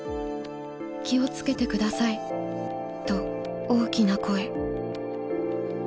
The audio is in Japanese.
気をつけてくださいと大きな声」。